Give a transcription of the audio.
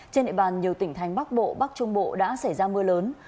trên địa bàn nhiều tỉnh thành bắc bộ bắc trung bộ đã xảy ra mưa lớn